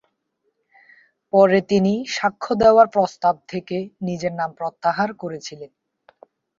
পরে তিনি সাক্ষ্য দেওয়ার প্রস্তাব থেকে নিজের নাম প্রত্যাহার করেছিলেন।